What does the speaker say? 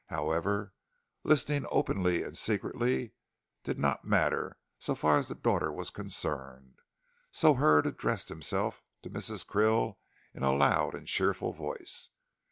However, listening openly or secretly, did not matter so far as the daughter was concerned, so Hurd addressed himself to Mrs. Krill in a loud and cheerful voice.